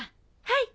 はい。